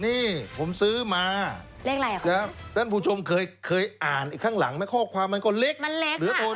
นี่ผมซื้อมานะครับท่านผู้ชมเคยอ่านข้างหลังไหมข้อความมันก็เล็กเหลือตน